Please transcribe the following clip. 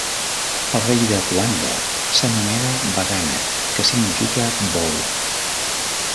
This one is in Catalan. El rei de Kouande s'anomena "Bagana" que significa Bou.